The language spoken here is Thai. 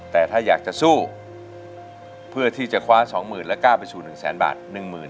แต่ถ้าอยากจะสู้เพื่อที่จะคว้าสองหมื่นและก้าวไปสู่๑แสนบาทหนึ่งหมื่น